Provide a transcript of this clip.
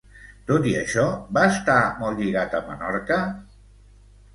Tot i això, va estar molt lligat a Menorca?